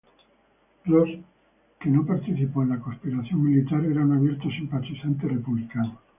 Ros, que no participó en la conspiración militar, era un abierto simpatizante republicano.